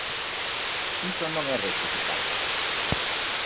Iso non é rectificar.